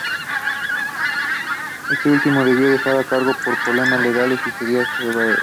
Este último debió dejar el cargo por problemas legales y le sucedió Dan Vera.